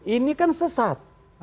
ini kan sesat